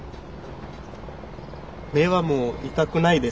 目はもう痛くないですか？